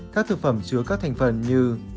các thực phẩm chứa các thành phần như